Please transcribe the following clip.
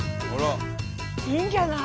いいんじゃない？